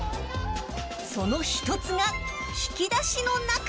その１つが引き出しの中。